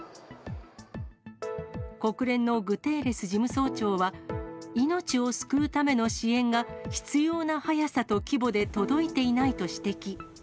国連のグテーレス事務総長は、命を救うための支援が必要な早さと規模で届いていないと指摘。